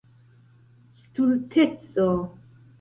stulteco